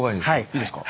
いいですか？